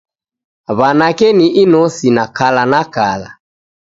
W'anake ni inose na kala na kala .